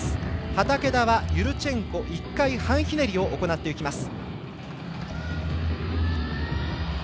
畠田はユルチェンコ１回半ひねりを行っていきます。